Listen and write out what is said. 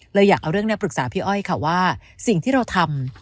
อยากเอาเรื่องนี้ปรึกษาพี่อ้อยค่ะว่าสิ่งที่เราทำ